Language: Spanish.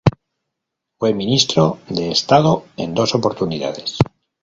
Fue ministro de Estado en dos oportunidades.